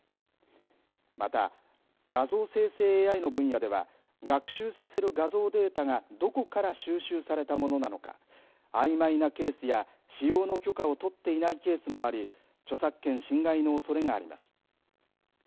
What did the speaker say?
また画像生成ＡＩの分野では学習させる画像データがどこから収集されたものなのかあいまいなケースや使用の許可を取っていないケースもあり著作権侵害のおそれがあります。